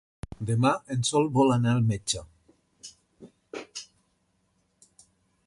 Demà en Sol vol anar al metge.